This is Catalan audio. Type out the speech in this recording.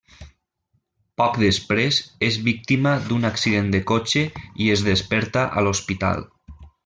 Poc després, és víctima d'un accident de cotxe i es desperta a l'hospital.